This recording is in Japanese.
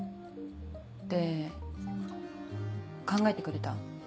で考えてくれた？